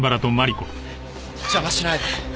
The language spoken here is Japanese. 邪魔しないで。